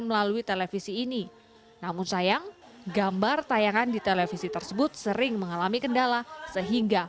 melalui televisi ini namun sayang gambar tayangan di televisi tersebut sering mengalami kendala sehingga